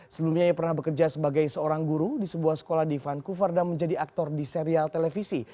sebelumnya ia pernah bekerja sebagai seorang guru di sebuah sekolah di vancouver dan menjadi aktor di serial televisi